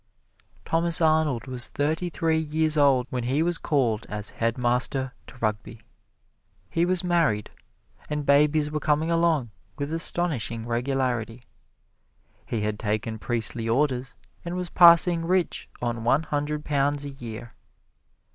Thomas Arnold was thirty three years old when he was called as head master to Rugby. He was married, and babies were coming along with astonishing regularity. He had taken priestly orders and was passing rich on one hundred pounds a year.